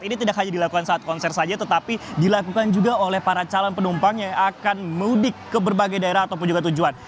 ini tidak hanya dilakukan saat konser saja tetapi dilakukan juga oleh para calon penumpang yang akan mudik ke berbagai daerah ataupun juga tujuan